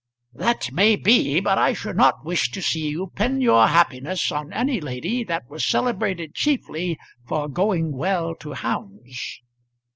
"That may be, but I should not wish to see you pin your happiness on any lady that was celebrated chiefly for going well to hounds."